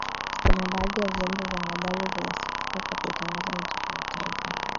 kuna baadhi ya vyombo vya habari vinasifika kwa kuitangaza nchi kimataifa